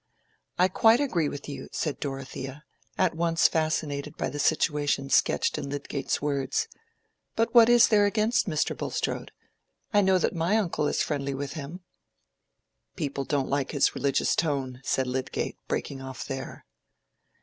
"I quite agree with you," said Dorothea, at once fascinated by the situation sketched in Lydgate's words. "But what is there against Mr. Bulstrode? I know that my uncle is friendly with him." "People don't like his religious tone," said Lydgate, breaking off there.